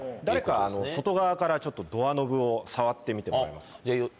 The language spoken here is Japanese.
誰か外側からドアノブを触ってみてもらえますか？